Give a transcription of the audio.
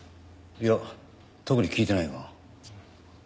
いや特に聞いてないな。